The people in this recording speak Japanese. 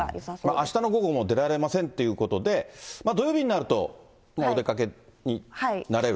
あしたの午後も出られませんということで、土曜日になると、お出かけになれる？